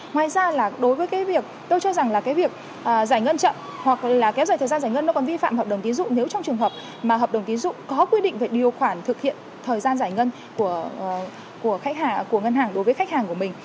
ngoài ra là đối với cái việc tôi cho rằng là cái việc giải ngân chậm hoặc là kéo dài thời gian giải ngân nó còn vi phạm hợp đồng tín dụng nếu trong trường hợp mà hợp đồng tiến dụng có quy định về điều khoản thực hiện thời gian giải ngân của khách hàng của ngân hàng đối với khách hàng của mình